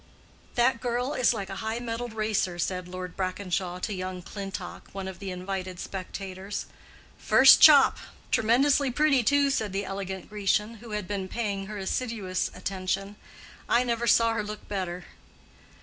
"That girl is like a high mettled racer," said Lord Brackenshaw to young Clintock, one of the invited spectators. "First chop! tremendously pretty too," said the elegant Grecian, who had been paying her assiduous attention; "I never saw her look better."